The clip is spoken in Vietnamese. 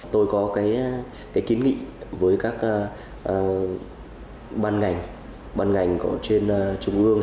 tôi có cái kiến nghị với các ban ngành ban ngành trên trung ương